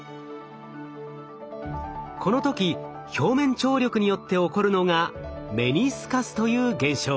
この時表面張力によって起こるのがメニスカスという現象。